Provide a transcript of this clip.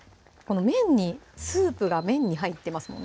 スープが麺に入ってますもんね